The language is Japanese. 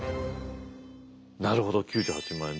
なるほど９８万円。